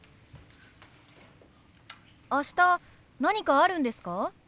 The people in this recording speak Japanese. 明日何かあるんですか？